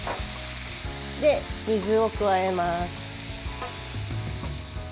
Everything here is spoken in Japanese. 水を加えます。